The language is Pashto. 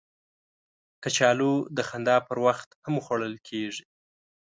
کچالو د خندا پر وخت هم خوړل کېږي